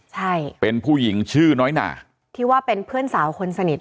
ใช่เป็นผู้หญิงชื่อน้อยหนาที่ว่าเป็นเพื่อนสาวคนสนิท